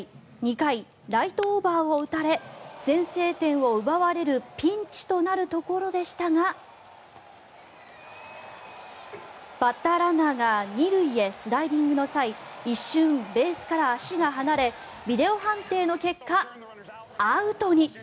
２回、ライトオーバーを打たれ先制点を奪われるピンチとなるところでしたがバッターランナーが２塁へスライディングの際一瞬、ベースから足が離れビデオ判定の結果、アウトに。